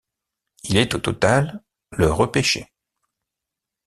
Il est au total, le repêché.